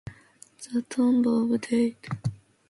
The tomb of Dato Tiro is in the vicinity of the mosque.